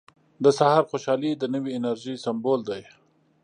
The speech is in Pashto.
• د سهار خوشحالي د نوې انرژۍ سمبول دی.